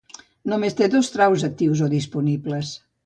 Només té dos traus actius o disponibles.